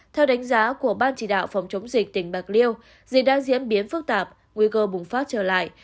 theo đánh giá của ban chỉ đạo phòng chống dịch tỉnh bạc liêu dịch đang diễn biến phức tạp nguy cơ bùng phát trở lại